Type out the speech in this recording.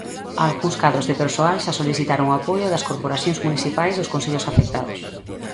Algúns cadros de persoal xa solicitaron o apoio das corporacións municipais dos concellos afectados.